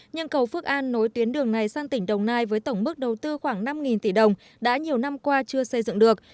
nhưng cầu phước an nối tuyến đường này sang tỉnh đồng nai với tổng mức đầu tư khoảng năm tỷ đồng đã nhiều năm qua chưa xây dựng được